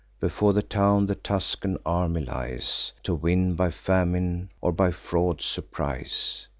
Before the town the Tuscan army lies, To win by famine, or by fraud surprise.